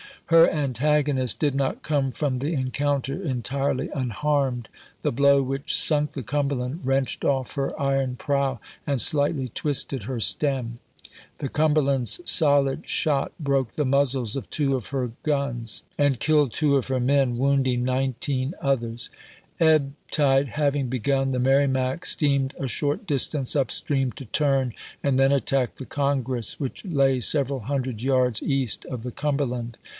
Her antagonist did not come from the encounter entirely unharmed. The blow which sunk the Cumberland wrenched off her iron prow and slightly twisted her stem. The Cumberland's solid shot broke the muzzles of two of her guns I li! I III I li'l'Ji I' '. "i'/r,'''lii|l w w i| 'l,i|ii iiir, '* 'r I ii!'i{iii'til "monitor" and "mereimac" 225 and killed two of her men, wounding nineteen others. Ebb tide having begun, the Merrimac steamed a short distance up stream to turn, and then attacked the Congress which lay several hundred yards east of the Cumberland.